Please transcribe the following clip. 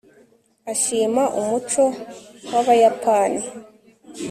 ashima umuco w'abayapani